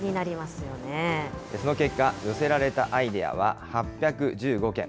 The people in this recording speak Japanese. その結果、寄せられたアイデアは８１５件。